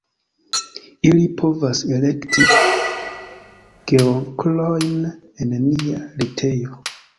Ili povas elekti "geonklojn" en nia retejo.